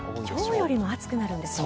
今日よりも暑くなるんですね。